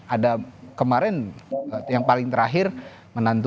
ada kemarin yang paling terakhir menantunya erina gudul